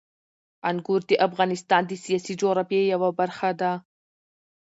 انګور د افغانستان د سیاسي جغرافیې یوه برخه ده.